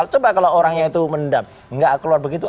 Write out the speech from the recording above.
coba kalau orangnya itu mendap nggak keluar begitu